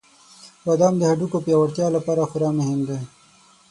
• بادام د هډوکو پیاوړتیا لپاره خورا مهم دی.